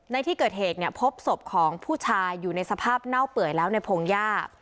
ในที่เกิดเหตุเนี่ยพบศพของผู้ชายอยู่ในสภาพเน่าเปื่อยแล้วในพงหญ้า